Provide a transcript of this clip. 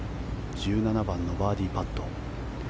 １７番のバーディーパット。